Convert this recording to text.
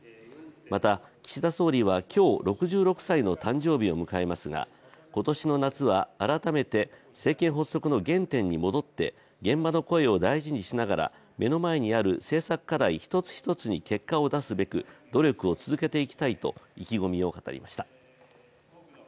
また岸田総理は今日６６歳の誕生日を迎えますが今年の夏は改めて政権発足の原点に戻って現場の声を大事にしながら目の前にある政策課題１つ１つに結果を出すべく努力を続けていきたいと意気込みを語りました。